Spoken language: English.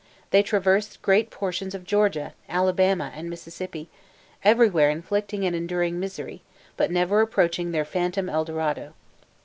They traversed great portions of Georgia, Alabama, and Mississippi, everywhere inflicting and enduring misery, but never approaching their phantom El Dorado.